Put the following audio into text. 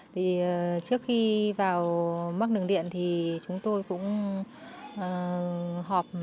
thì trước khi vào mắc đường điện thì chúng tôi cũng họp